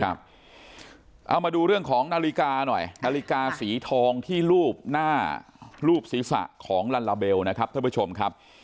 เอามาดูเรื่องของนาฬิกาหน่อยนาฬิกาสีทองที่รูปหน้ารูปศีรษะของลัลลาเบลนะครับท่านผู้ชมครับ